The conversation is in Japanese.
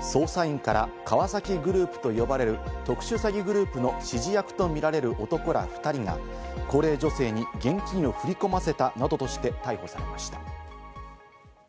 捜査員から川崎グループと呼ばれる特殊詐欺グループの指示役とみられる男ら２人が高齢女性に現金を振り込ませたなどとして逮捕されました。